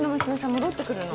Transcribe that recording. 戻ってくるの。